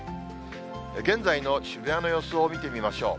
現在の渋谷の様子を見てみましょう。